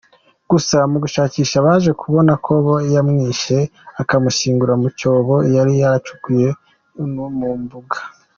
Gusa mu gushakisha baje kubona ko yamwishe, akamushyingura mu cyobo yari yaracukuye nmu mbuga.